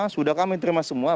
sudah kami terima semua